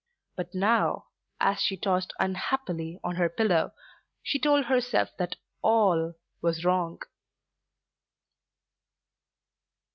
But now as she tossed unhappily on her pillow she told herself that all was wrong.